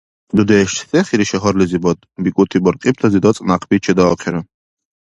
— Дудеш, се хири шагьарлизибад? — бикӀути баркьибтази дацӀ някъби чедаахъира.